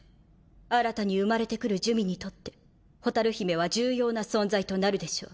新たに生まれてくる珠魅にとって蛍姫は重要な存在となるでしょう。